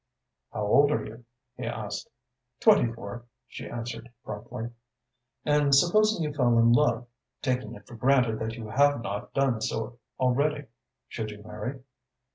"How old are you?" he asked. "Twenty four," she answered promptly. "And supposing you fell in love taking it for granted that you have not done so already should you marry?"